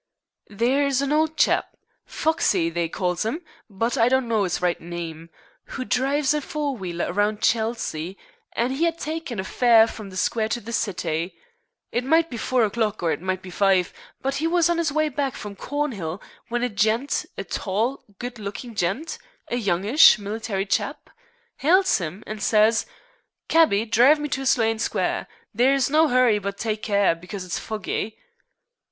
"There's an old chap Foxey they calls 'im, but I don't know 'is right nyme who drives a four wheeler around Chelsea, an' 'e 'ad tyken a fare from the Square to the City. It might be four o'clock or it might be five, but 'e was on 'is w'y back from Cornhill when a gent, a tall, good looking gent, a youngish, military chap, 'ails 'im and says: 'Cabby, drive me to Sloane Square. There's no 'urry, but tyke care, because it's foggy.'